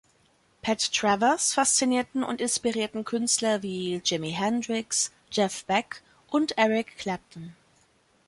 Pat Travers faszinierten und inspirierten Künstler wie Jimi Hendrix, Jeff Beck und Eric Clapton.